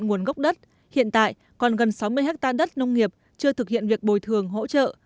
nguồn gốc đất hiện tại còn gần sáu mươi hectare đất nông nghiệp chưa thực hiện việc bồi thường hỗ trợ